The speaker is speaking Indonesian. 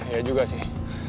iya juga sih